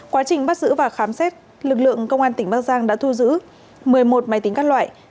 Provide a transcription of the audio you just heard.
quá trình bắt giữ và khám xét lực lượng công an tỉnh bắc giang đã thu giữ một mươi một máy tính các loại